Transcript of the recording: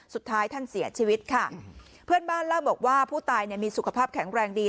สุดท้ายท่านเสียชีวิตค่ะเพื่อนบ้านเล่าบอกว่าผู้ตายเนี่ยมีสุขภาพแข็งแรงดี